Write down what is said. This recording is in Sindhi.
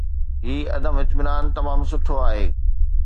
هي عدم اطمينان تمام سٺو آهي.